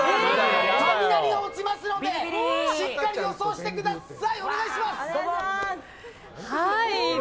雷が落ちますのでしっかり予想してください。